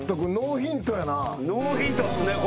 ノーヒントっすね。